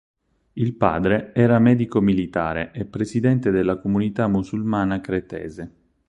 Il padre era medico militare e presidente della comunità musulmana cretese.